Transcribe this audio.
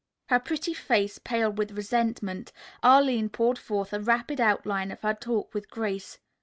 Her pretty face pale with resentment, Arline poured forth a rapid outline of her talk with Grace.